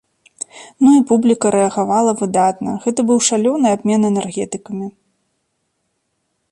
Ну і публіка рэагавала выдатна, гэта быў шалёны абмен энергетыкамі.